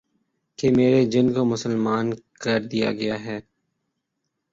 کہ میرے جن کو مسلمان کر دیا گیا ہے